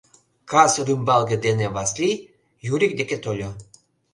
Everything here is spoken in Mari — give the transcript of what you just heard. Кас рӱмбалге дене Васлий Юрик деке тольо.